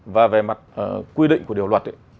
và về mặt quy định của điều luật